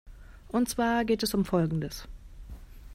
Und zwar geht es um Folgendes.